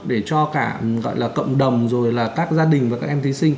để cho cả gọi là cộng đồng rồi là các gia đình và các em thí sinh